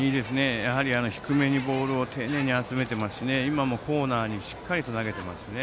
やはり低めのボールを丁寧に集めていますし今もコーナーにしっかりと投げていますね。